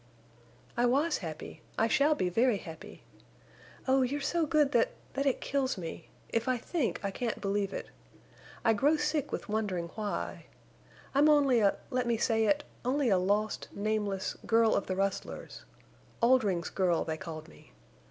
"I was happy—I shall be very happy. Oh, you're so good that—that it kills me! If I think, I can't believe it. I grow sick with wondering why. I'm only a—let me say it—only a lost, nameless—girl of the rustlers. Oldring's Girl, they called me.